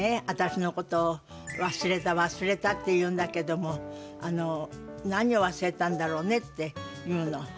私のことを『忘れた忘れた』って言うんだけども何を忘れたんだろうね？」って言うの。